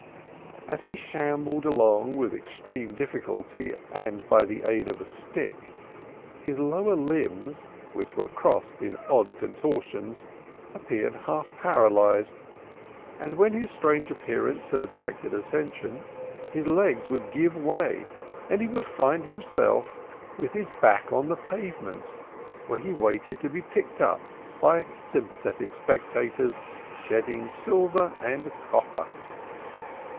As he shambled along with extreme difficulty and by the aid of a stick, his lower limbs which were crossed in odd contortions appeared half paralyzed, and, when his strange appearance had attracted attention, his legs would give way and he would find himself with his back on the pavement, where he waited to be picked up by sympathetic spectators shedding silver and copper.